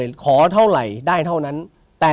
ผมขอสัก๑๒งานนะ